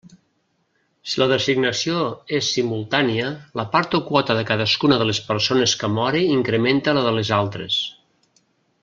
Si la designació és simultània, la part o quota de cadascuna de les persones que mori incrementa la de les altres.